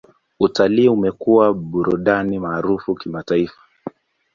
Utalii umekuwa burudani maarufu kimataifa.